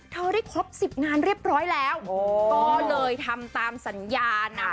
ได้ครบ๑๐งานเรียบร้อยแล้วก็เลยทำตามสัญญานะ